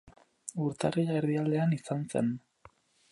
Urtarrila erdialdean izan zen.